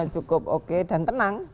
cukup oke dan tenang